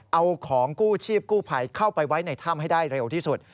เอาของกู้ชีพกู้ภัยเข้าไปไว้ในถ้ำให้ได้เร็วที่สุด